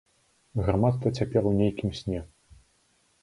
Грамадства цяпер у нейкім сне.